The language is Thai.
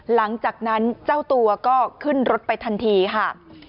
หลังจากนั้นเจ้าตัวก็ขึ้นรถไปทันทีค่ะ